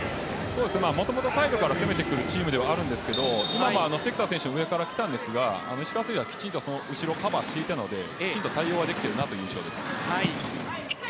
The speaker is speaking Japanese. もともとサイドから攻めてくるチームではありますが今も関田選手上からきたんですが石川選手が後ろをカバーしていたので対応できている印象です。